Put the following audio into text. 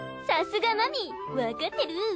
さすが真美わかってる。